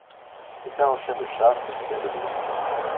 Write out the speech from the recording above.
Étant un chien de chasse, il aime l'eau.